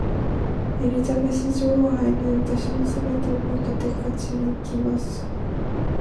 エリザベス女王杯に私の全てをかけて勝ちにいきます。